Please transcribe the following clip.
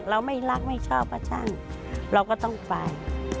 เราไม่รักไม่ชอบก็ช่างเราก็ต้องไป